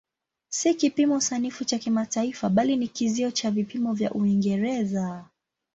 Si kipimo sanifu cha kimataifa bali ni kizio cha vipimo vya Uingereza.